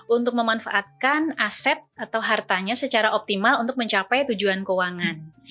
untuk memanfaatkan aset atau hartanya secara optimal untuk mencapai tujuan keuangan